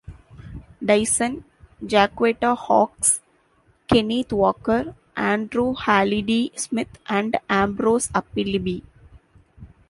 Dyson, Jacquetta Hawkes, Kenneth Walker, Andrew Hallidie Smith, and Ambrose Appelbe.